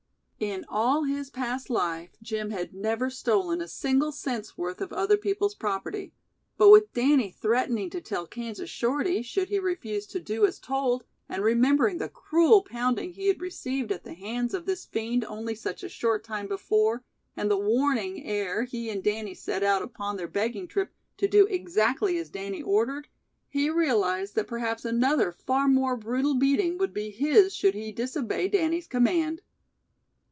In all his past life Jim had never stolen a single cent's worth of other people's property, but with Danny threatening to tell Kansas Shorty should he refuse to do as told, and remembering the cruel pounding he had received at the hands of this fiend only such a short time before, and the warning ere he and Danny set out upon their begging trip to do exactly as Danny ordered, he realized that perhaps another far more brutal beating would be his should he disobey Danny's command.